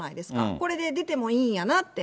これで出てもいいんやなって。